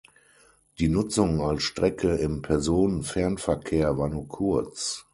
Die Nutzung als Strecke im Personenfernverkehr war nur kurz.